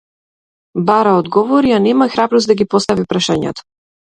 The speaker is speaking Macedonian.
Бара одговори, а нема храброст да ги постави прашањата.